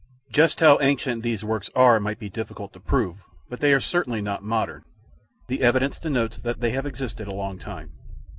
Just how ancient these works are might be difficult to prove, but they are certainly not modern. The evidence denotes that they have existed a long time.